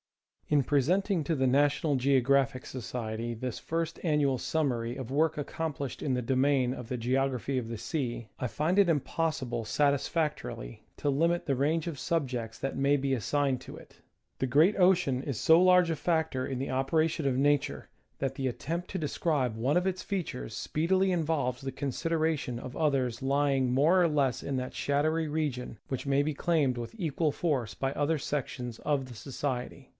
In presenting to the National Geographic Society this first an nual summary of work accomplished in the domain of the Geog raphy of the Sea, I find it impossible satisfactorily to limit the range of subjects that may be assigned to it. The great ocean is so large a factor in the operations of Nature, that the attempt to describe one of its features speedily involves the consideration of others lying more or less in that shadowy region which may be claimed with equal force by other sections of the Society.